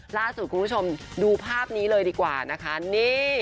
ล่าสุดคุณผู้ชมดูภาพนี้เลยดีกว่านะคะนี่